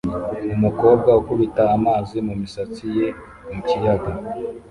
Umukobwa ukubita amazi mumisatsi ye mukiyaga